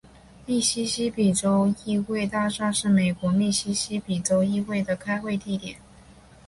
密西西比州议会大厦是美国密西西比州议会的开会地点。